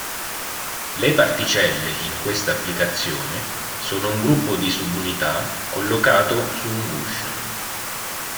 Le "particelle" in questa applicazione sono un gruppo di subunità collocato su un guscio.